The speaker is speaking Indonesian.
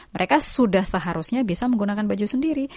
mereka sudah seharusnya bisa menggunakan baju sendiri